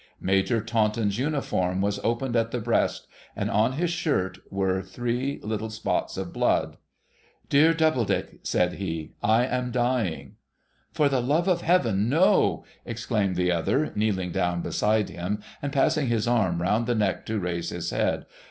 Major Taunton's uniform was opened at the breast, and on his shirt were three little spots of blood. ' Dear Doubleclick,' said he, ' I am dying.' ' For the love of Heaven, no !' exclaimed the other, kneeling down beside him, and passing his arm round his neck to raise his head.